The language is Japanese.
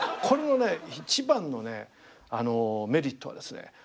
これのね一番のメリットはですね